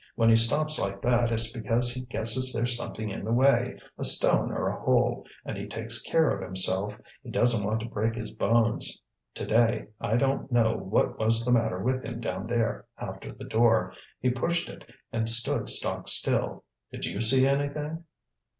When he stops like that it's because he guesses there's something in the way, a stone or a hole, and he takes care of himself; he doesn't want to break his bones. To day I don't know what was the matter with him down there after the door. He pushed it, and stood stock still. Did you see anything?"